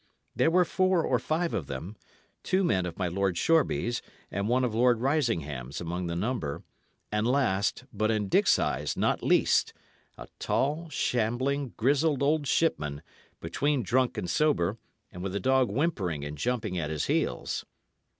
There were four or five of them two men of my Lord Shoreby's and one of Lord Risingham's among the number, and last, but in Dick's eyes not least, a tall, shambling, grizzled old shipman, between drunk and sober, and with a dog whimpering and jumping at his heels.